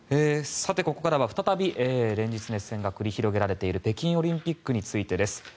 ここからは再び連日熱戦が繰り広げられている北京オリンピックについてです。